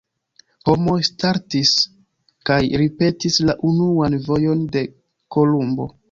Homoj startis kaj ripetis la unuan vojon de Kolumbo.